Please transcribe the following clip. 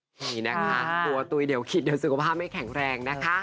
นี่นะคะหัวตุ๋ยเดี๋ยวคิดเดี๋ยวสุขภาพไม่แข็งแรงนะคะ